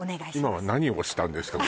今は何を押したんですか？